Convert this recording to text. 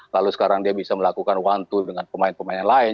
lalu sekarang dia bisa melakukan one to dengan pemain pemain yang lain